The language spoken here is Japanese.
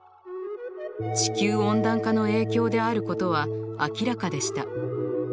地球温暖化の影響であることは明らかでした。